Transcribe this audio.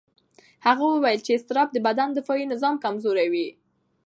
هغه وویل چې اضطراب د بدن دفاعي نظام کمزوي.